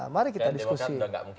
mari kita diskusi